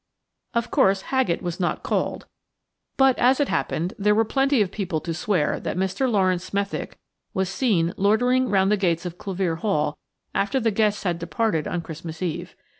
Of course, Haggett was not called, but, as it happened, there were plenty of people to swear that Mr. Laurence Smethick was seen loitering round the gates of Clevere Hall after the guests had departed on Christmas Eve.